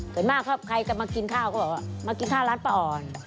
เกิดมาใครก็มากินข้าวก็บอกว่ามากินข้าร้านป้าอ่อน